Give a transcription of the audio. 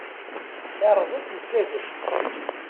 Irreẓ-as usagem.